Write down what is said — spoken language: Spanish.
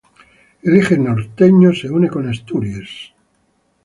El eje norteño se une con Asturias.